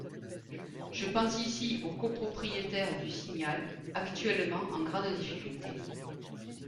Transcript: Je pense ici aux copropriétaires du Signal, actuellement en grande difficulté.